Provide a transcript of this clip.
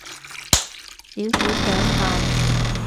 少少想喊